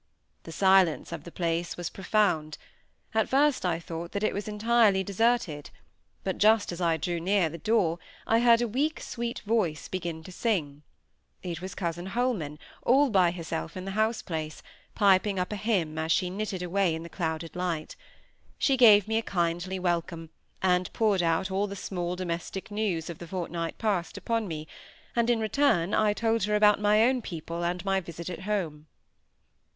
The silence of the place was profound; at first I thought that it was entirely deserted; but just as I drew near the door I heard a weak sweet voice begin to sing; it was cousin Holman, all by herself in the house place, piping up a hymn, as she knitted away in the clouded light. She gave me a kindly welcome, and poured out all the small domestic news of the fortnight past upon me, and, in return, I told her about my own people and my visit at home.